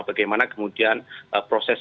bagaimana kemudian proses